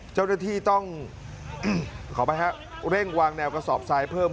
เจ้าหน้าที่ต้องขอไปฮะเร่งวางแนวกระสอบทรายเพิ่ม